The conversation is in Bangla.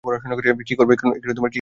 কী করবে এখন?